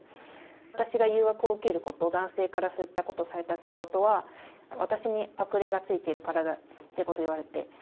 私が誘惑を受けること、男性からそういったことをされたってことは、私に悪霊がついているからだっていうことを言われて。